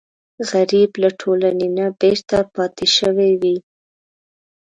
غریب له ټولنې نه بېرته پاتې شوی وي